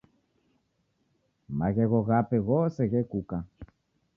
Maghegho ghape ghose ghekuka.